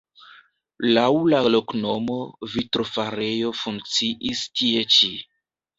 Laŭ la loknomo vitrofarejo funkciis tie ĉi.